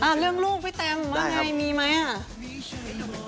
อ่าเรื่องลูกพี่แตมว่าไงมีไหมอะพี่แตมได้ครับ